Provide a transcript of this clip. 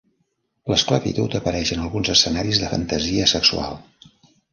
L'esclavitud apareix en alguns escenaris de fantasia sexual.